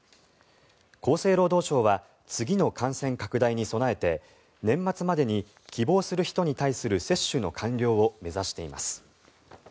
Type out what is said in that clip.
厚生労働省は次の感染拡大に備えて年末までに希望する人に対する接種の完了を目指しています。